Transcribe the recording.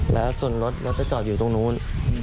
แล้วส่วนรถรถไปจอดอยู่ตรงนู้น